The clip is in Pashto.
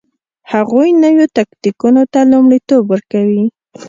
هغوی نویو تکتیکونو ته لومړیتوب ورکوي